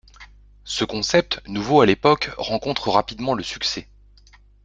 Ce concept, nouveau à l'époque, rencontre rapidement le succès.